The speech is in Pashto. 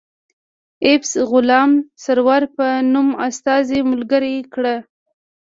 ایفز غلام سرور په نوم استازی ملګری کړ.